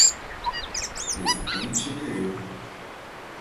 Presidente Nereu